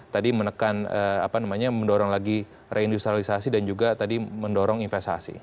tadi menekan apa namanya mendorong lagi reindustrialisasi dan juga tadi mendorong investasi